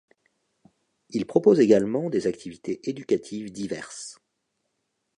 Il propose également des activités éducatives diverses.